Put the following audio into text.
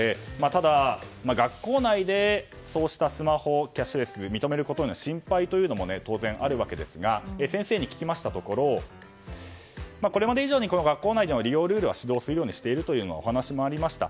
ただ、学校内でそうしたスマホキャッシュレスを認めることへの心配も当然あるわけですが先生に聞きましたところこれまで以上に学校内での利用ルールは指導するようにしているというお話もありました。